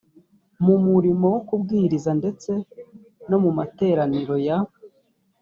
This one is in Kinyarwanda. mu murimo wo kubwiriza ndetse no mu materaniro ya